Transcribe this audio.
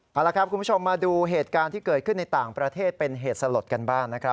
เอาละครับคุณผู้ชมมาดูเหตุการณ์ที่เกิดขึ้นในต่างประเทศเป็นเหตุสลดกันบ้างนะครับ